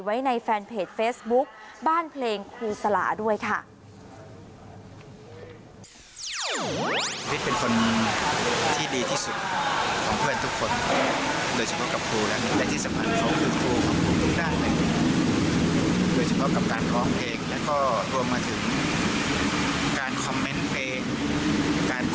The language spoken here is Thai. ไว้ในแฟนเพจเฟซบุ๊คบ้านเพลงครูสลาด้วยค่ะ